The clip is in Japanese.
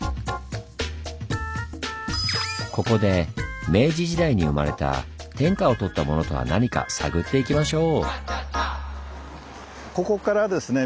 ここで明治時代に生まれた天下をとったものとは何か探っていきましょう！